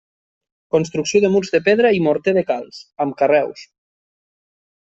Construcció de murs de pedra i morter de calç, amb carreus.